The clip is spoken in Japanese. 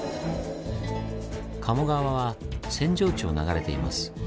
鴨川は扇状地を流れています。